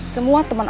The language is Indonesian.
semua teman aku